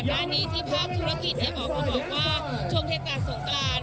หน้านี้ที่ภาคธุรกิจออกมาบอกว่าช่วงเทศกาลสงกราน